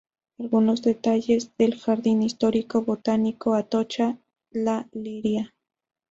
Algunos Detalles del ""Jardín Histórico Botánico Atocha-La Liria"".